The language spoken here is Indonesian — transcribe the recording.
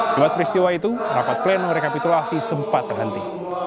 buat peristiwa itu rapat pleno rekapitulasi sempat terhenti